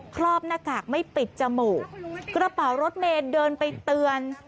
รอบหน้ากากไม่ปิดจมูกกระเป๋ารถเมย์เดินไปเตือน